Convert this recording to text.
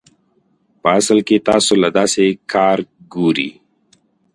پۀ اصل کښې تاسو له داسې کار ګوري